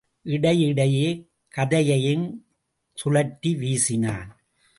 இடையிடையே கதையையும் சுழற்றி வீசினான்.